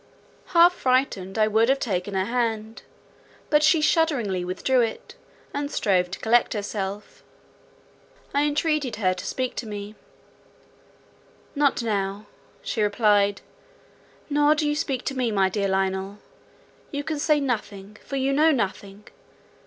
Half frightened, I would have taken her hand; but she shudderingly withdrew it, and strove to collect herself. I entreated her to speak to me: "Not now," she replied, "nor do you speak to me, my dear Lionel; you can say nothing, for you know nothing.